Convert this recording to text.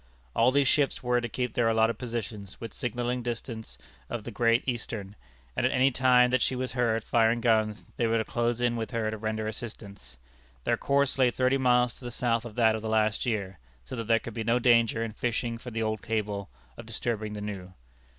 All these ships were to keep their allotted positions, within signalling distance of the Great Eastern, and at any time that she was heard firing guns, they were to close in with her to render assistance. Their course lay thirty miles to the south of that of the last year, so that there could be no danger, in fishing for the old cable, of disturbing the new.